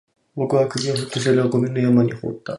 僕は首を振って、それをゴミの山に放った